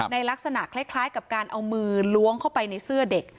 ลักษณะคล้ายกับการเอามือล้วงเข้าไปในเสื้อเด็ก